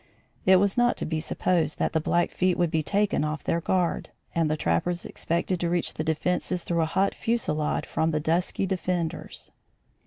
It was not to be supposed that the Blackfeet would be taken off their guard, and the trappers expected to reach the defences through a hot fusillade from the dusky defenders.